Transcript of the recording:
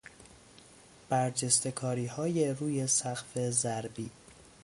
برجستهکاریهای روی سقف ضربی